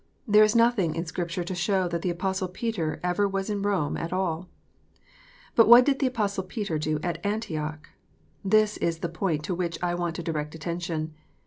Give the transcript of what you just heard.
There is nothing in Scripture to show that the Apostle Peter ever was at Rome at all ! But what did the Apostle Peter do at Antioch? This is the point to which I want to direct attention.